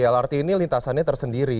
lrt ini lintasannya tersendiri